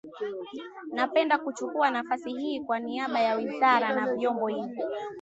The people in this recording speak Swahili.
Napenda kuchukua nafasi hii kwa niaba ya Wizara na Vyombo hivi